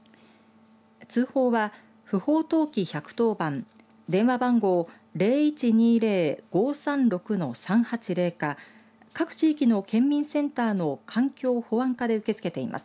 通報は、不法投棄１１０番電話番号０１２０−５３６−３８０か各地域の県民センターの環境・保安課で受け付けています。